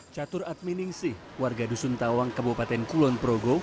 catur adminingsih warga dusun tawang kabupaten kulon progo